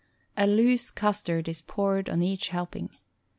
A loose custard is poured on each helping.